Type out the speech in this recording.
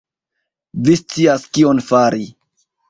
Vi scias kion fari